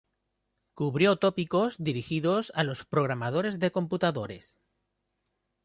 Cubrió tópicos dirigidos a los programadores de computadores.